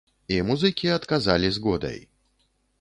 І музыкі адказалі згодай.